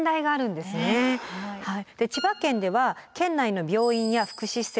で千葉県では県内の病院や福祉施設